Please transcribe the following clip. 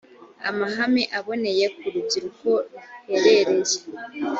amahame aboneye ku rubyiruko ruherereye